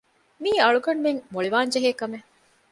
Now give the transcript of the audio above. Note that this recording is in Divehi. މިއީ އަޅުގަނޑުމެން މޮޅިވާންޖެހޭ ކަމެއް